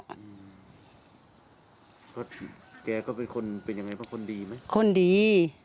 เพราะแกก็เป็นคนเป็นยังไงเพราะคนดีไหมคนดี